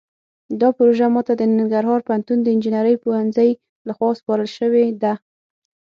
دا پروژه ماته د ننګرهار پوهنتون د انجنیرۍ پوهنځۍ لخوا سپارل شوې ده